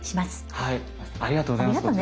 はいありがとうございますこちらこそ。